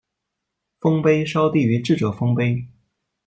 丰碑稍低于智者丰碑。